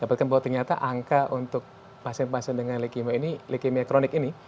dapatkan bahwa ternyata angka untuk pasien pasien dengan leukemia kronik ini